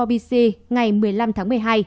bc ngày một mươi năm tháng một mươi hai